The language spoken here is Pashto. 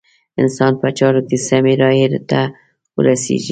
انسان په چارو کې سمې رايې ته ورسېږي.